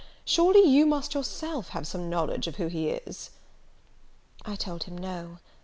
Surely you must yourself have some knowledge who he is?" I told him no.